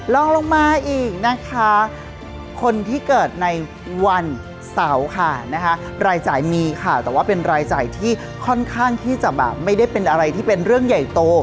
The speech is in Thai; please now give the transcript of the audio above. ลองลงมาอีกนะคะคนที่เกิดในวันเสาร์ค่ะนะคะรายจ่ายมีค่ะแต่ว่าเป็นรายจ่ายที่ค่อนข้างที่จะแบบไม่ได้เป็นอะไรที่เป็นเรื่องใหญ่โต